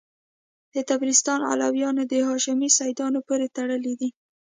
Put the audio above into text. د طبرستان علویان د هاشمي سیدانو پوري تړلي دي.